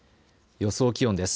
予想気温です。